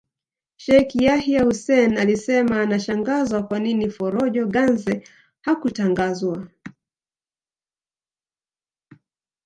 Sheikh Yahya Hussein alisema anashangazwa kwa nini Forojo Ganze hakutangazwa